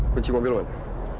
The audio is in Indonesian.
kunci mobil lu ada